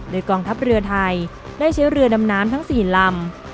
โดยกองทัพเรือไทยได้ใช้เรือดำน้ำทั้ง๔ลำ